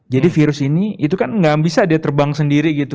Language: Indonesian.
jadi virus ini itu kan gak bisa dia terbang sendiri gitu